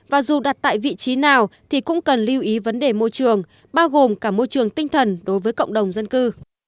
và dù đặt tại vị trí nào thì cũng cần lưu ý vấn đề môi trường bao gồm cả môi trường tinh thần đối với cộng đồng dân cư